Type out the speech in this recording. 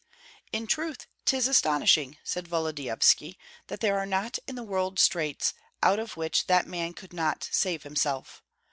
"In truth, 'tis astonishing," said Volodyovski, "that there are not in the world straits, out of which that man could not save himself.